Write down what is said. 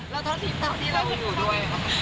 แล้วท่านอดีตต้องที่เราอยู่ด้วย